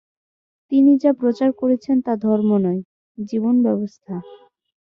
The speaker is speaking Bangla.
তিনি যা প্রচার করেছেন তা ধর্ম নয়, জীবন ব্যবস্থা।